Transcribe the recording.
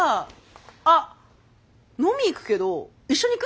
あっ飲み行くけど一緒に行く？